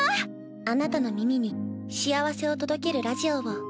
あなたの耳に幸せを届けるラジオを。